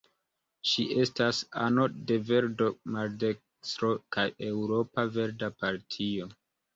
Ŝi estas ano de Verdo-Maldekstro kaj Eŭropa Verda Partio.